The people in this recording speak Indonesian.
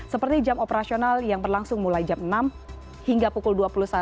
seperti jam operasional yang berlangsung mulai jam enam hingga pukul dua puluh satu